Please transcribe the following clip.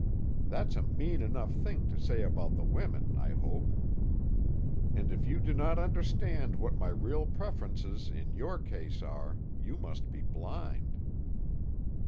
That's a mean enough thing to say about the women, I hope, and if you do not understand what my real preferences in your case are, you must be blind."